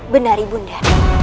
benar ibu nda